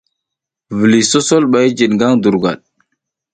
Viliy sosol ɓa jid ngaƞ durgwad.